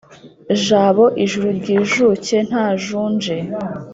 Jabo ijuru ryijuke ntajunje